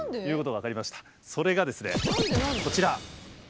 こちら。